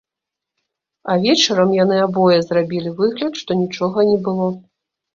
А вечарам яны абое зрабілі выгляд, што нічога не было.